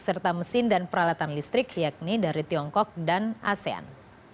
serta mesin dan peralatan listrik yakni dari tiongkok dan asean